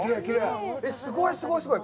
えっ、すごい、すごい、すごい。